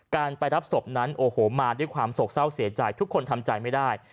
การไปรับศพนั้นโอ้โหมาด้วยความโศกเศร้าเสียใจทุกคนทำใจไม่ได้